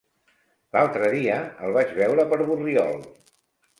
L'altre dia el vaig veure per Borriol.